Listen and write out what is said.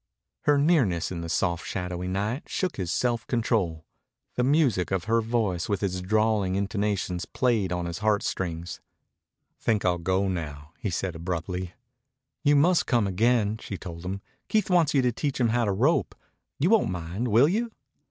Her nearness in the soft, shadowy night shook his self control. The music of her voice with its drawling intonations played on his heartstrings. "Think I'll go now," he said abruptly. "You must come again," she told him. "Keith wants you to teach him how to rope. You won't mind, will you?"